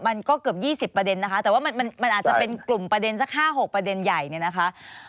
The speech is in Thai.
มันก็เกือบ๒๐ประเด็นนะคะแต่ว่ามันอาจจะเป็นกลุ่มประเด็นสัก๕๖ประเด็นใหญ่เนี่ยนะคะ